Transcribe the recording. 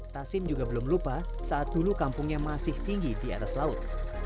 tasim juga belum lupa saat dulu kampungnya masih tinggi di atas laut